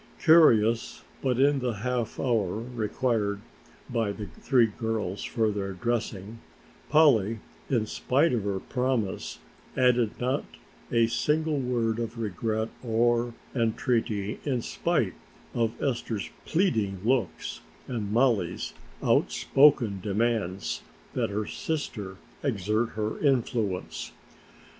Curious, but in the half hour required by the three girls for their dressing, Polly, in spite of her promise, added not a single word of regret or entreaty in spite of Esther's pleading looks and Mollie's outspoken demands that her sister exert her influence.